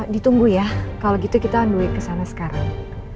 ditunggu ya kalau gitu kita ambil duit kesana sekarang